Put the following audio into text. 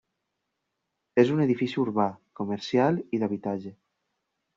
És un edifici urbà, comercial i d'habitatge.